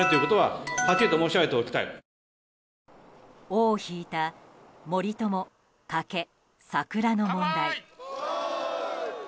尾を引いた森友・加計・桜の問題。